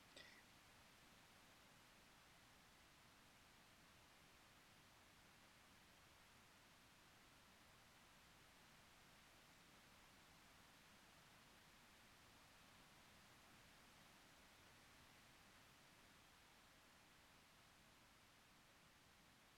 Posteriormente construyó la vecina Torre de Madrid.